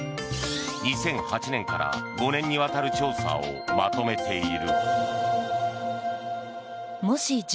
２００８年から５年にわたる調査をまとめている。